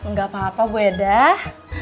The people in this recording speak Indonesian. nggak apa apa bu edah